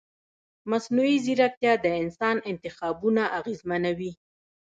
مصنوعي ځیرکتیا د انسان انتخابونه اغېزمنوي.